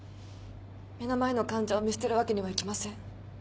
目の前の患者を見捨てるわけにはいきません。